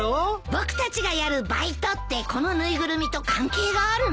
僕たちがやるバイトってこの縫いぐるみと関係があるの？